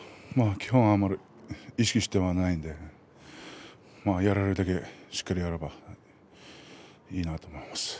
基本、あんまり意識してはいないので、やれるだけしっかりやればいいなと思います。